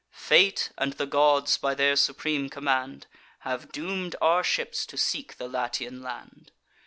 Fate and the gods, by their supreme command, Have doom'd our ships to seek the Latian land.